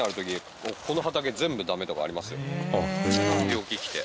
病気来て。